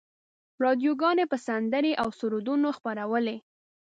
راډیوګانو به سندرې او سرودونه خپرولې.